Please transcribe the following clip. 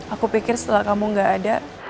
aku pikir setelah kamu gak ada